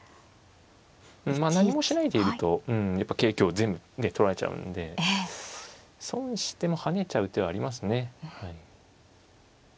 何もしないでいるとやっぱ桂香全部取られちゃうんで損しても跳ねちゃう手はありますね。